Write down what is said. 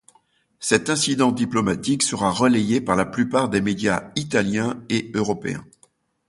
Cet incident diplomatique sera relayé par la plupart des médias italiens et européens.